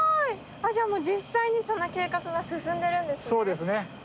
じゃあもう実際にその計画が進んでるんですね。